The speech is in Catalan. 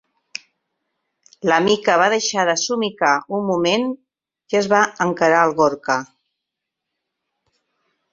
La Mica va deixar de somicar un moment i es va encarar al Gorka.